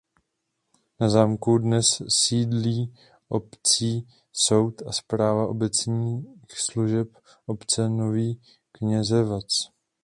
Na zámku dnes sídlí obecní soud a správa obecních služeb obce Novi Knezevac.